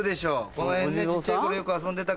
この辺で小っちゃい頃よく遊んでたから。